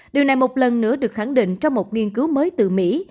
điều này một lần nữa được khẳng định trong một nghiên cứu mới từ mỹ